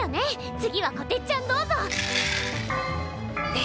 次はこてっちゃんどうぞ！